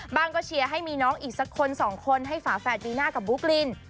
ก็เชียร์ให้มีน้องอีกสักคนสองคนให้ฝาแฝดปีหน้ากับบุ๊กลิน